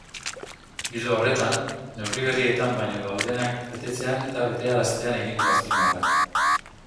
Ildo horretan, neurri berrietan baino daudenak betetzean eta betearaztean egin du azpimarra.